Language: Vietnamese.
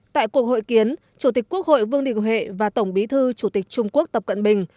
tại cuộc hội kiến chủ tịch quốc hội vương đình huệ và tổng bí thư chủ tịch trung quốc tập cận bình